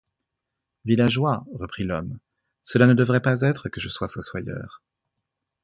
Villageois, reprit l'homme, cela ne devrait pas être que je sois fossoyeur.